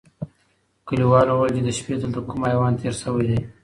کلیوالو وویل چي د شپې دلته کوم حیوان تېر سوی دی.